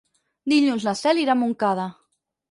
Dilluns na Cel irà a Montcada.